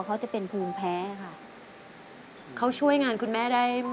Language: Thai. ล้างจานอุปกรณ์ไหม